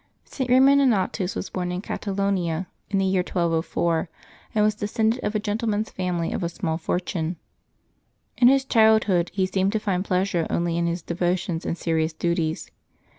[t. Eatmuxd iSToNNATUs was born in Catalonia, in the year 1204, and was descended of a gentleman's family of a small fortune. In his childhood he seemed to find pleasure only in his devotions and serious duties.